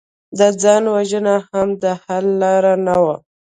د ځان وژنه هم د حل لاره نه وه